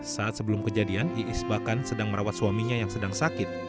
saat sebelum kejadian iis bahkan sedang merawat suaminya yang sedang sakit